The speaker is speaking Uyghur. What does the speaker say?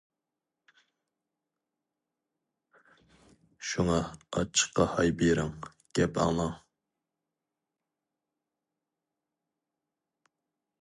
شۇڭا ئاچچىققا ھاي بېرىڭ، گەپ ئاڭلاڭ!